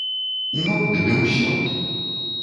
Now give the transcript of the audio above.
Ну, дык і ўсё.